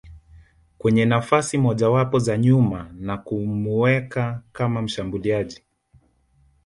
kwenye nafasi mojawapo za nyuma na kumuweka kama mshambuliaji